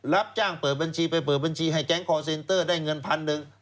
รับจ้างเปิดบัญชีไปเปิดบัญชีให้แก๊งคอร์เซนเตอร์ได้เงินพันหนึ่ง